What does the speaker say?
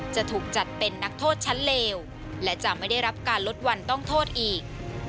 จะถูกจัดเป็นนักโทษชั้นเลวและจะไม่ได้รับการลดวันต้องโทษอีก